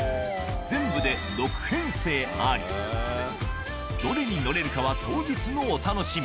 全部で６編成あり、どれに乗れるかは当日のお楽しみ。